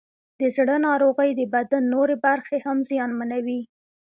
د زړه ناروغۍ د بدن نورې برخې هم زیانمنوي.